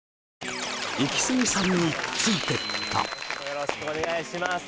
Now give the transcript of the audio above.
・よろしくお願いします